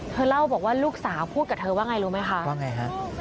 เธอเล่าว่าลูกสาวพูดกับเธอว่ายังไงรู้มั้ยค่ะ